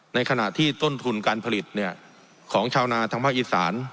ในขณะที่ต้นทุนการผลิตของชาวนาทางภาคอีสาน